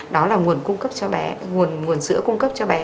đó là nguồn sữa cung cấp cho bé